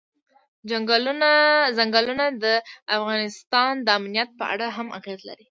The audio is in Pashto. چنګلونه د افغانستان د امنیت په اړه هم اغېز لري.